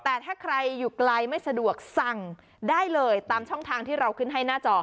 แต่ถ้าใครอยู่ไกลไม่สะดวกสั่งได้เลยตามช่องทางที่เราขึ้นให้หน้าจอ